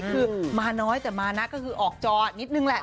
คือมาน้อยแต่มานะก็คือออกจอนิดนึงแหละ